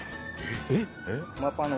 えっ！